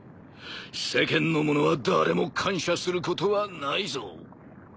世間の者は誰も感謝することはないぞ。